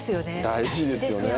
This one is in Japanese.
大事ですよね。